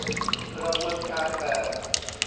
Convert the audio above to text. กระบวนการแบบ